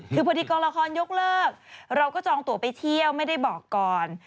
คือพอดีกองละครยกเลิกเราก็จองตัวไปเที่ยวไม่ได้บอกก่อน